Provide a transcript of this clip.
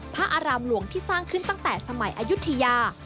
พระอารามหลวงที่สร้างขึ้นตั้งแต่สมัยอายุทยา